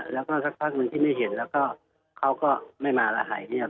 แล้วก็สักพักหนึ่งที่ไม่เห็นแล้วก็เขาก็ไม่มาแล้วหายเงียบ